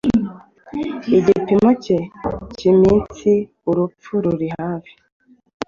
Igipimo cye cyiminsiurupfu ruri hafi